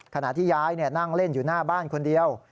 ขณะที่ยายนั่งเล่นอยู่หน้าบ้านคนเดียว